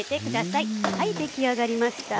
はい出来上がりました。